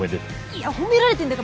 いや褒められてるんだか